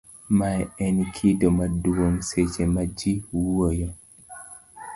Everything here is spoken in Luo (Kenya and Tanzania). mae en kido maduong' seche ma ji wuoyo